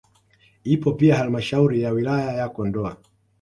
Ipo pia halmashauri ya wilaya ya Kondoa